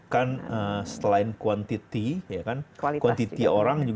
kan selain kuantitas ya kan kuantitas orang